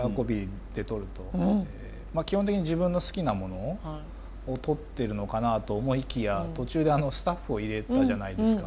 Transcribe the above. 基本的に自分の好きなものを撮ってるのかなと思いきや途中でスタッフを入れたじゃないですか。